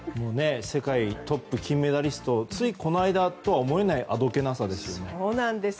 世界トップ、金メダリストついこの間とは思えないあどけなさですね。